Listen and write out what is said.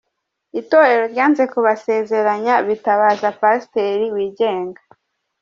Itorero ryanze kubasezeranya bitabaza Pasiteri wigenga